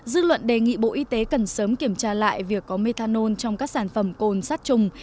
dư luận đề nghị bộ y tế cần sớm kiểm tra lại việc có methanol trong các sản phẩm cồn sát trùng